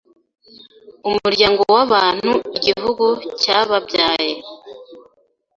Umuryango w'abantu igihugu cyababyaye